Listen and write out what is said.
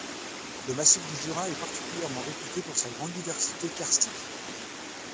Le massif du Jura est particulièrement réputé pour sa grande diversité Karstique.